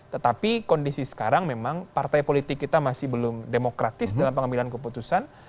tetapi kondisi sekarang memang partai politik kita masih belum demokratis dalam pengambilan keputusan